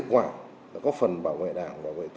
hoặc đánh tội phạm ngày càng mạng mề